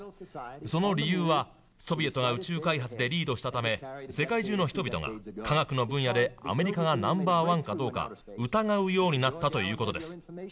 その理由はソビエトが宇宙開発でリードしたため世界中の人々が科学の分野でアメリカがナンバーワンかどうか疑うようになったという事です。